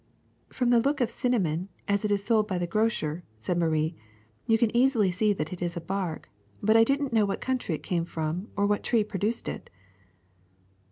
'* From the look of cin namon as it is sold by the grocer,'' said Marie, '*you can easily see that it is a bark ; but I did n 't know what country it came from or what tree produced it.''